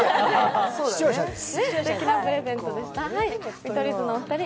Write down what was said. すてきなプレゼントでした。